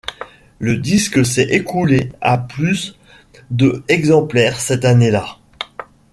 Le disque s'est écoulé à plus de exemplaires cette année-là.